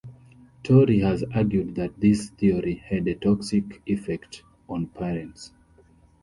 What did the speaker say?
Torrey has argued that this theory had a toxic effect on parents.